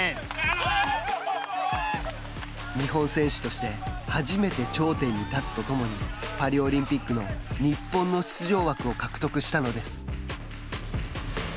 日本選手として初めて頂点に立つとともにパリオリンピックの日本の出場枠を獲得したのです。